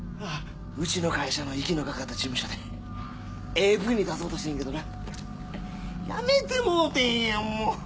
うちの会社の息のかかった事務所でＡＶに出そうとしてんけどな辞めてもうてんやもう。